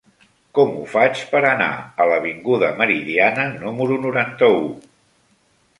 Com ho faig per anar a l'avinguda Meridiana número noranta-u?